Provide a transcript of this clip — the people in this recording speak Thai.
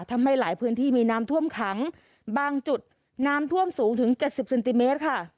ทำให้หลายพื้นที่มีน้ำท่วมขังบางจุดน้ำท่วมสูงถึง๗๐เซนติเมตรค่ะ